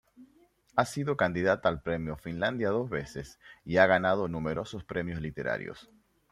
Ha sido candidata al Premio Finlandia dos veces y ha ganado numerosos premios literarios.